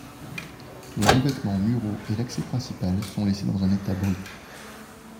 Les revêtements muraux et l'accès principal sont laissés dans un état brut.